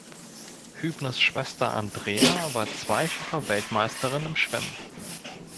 Hübners Schwester Andrea war zweifache Weltmeisterin im Schwimmen.